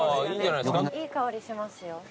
いい香りしますよ。